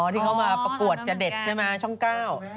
ที่เขามาประกวดจะเด็ดใช่ไหมช่องเก้า